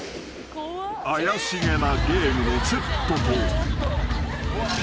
［怪しげなゲームのセットと］